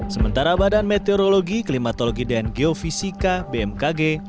sementara badan meteorologi klimatologi dan geofisika bmkg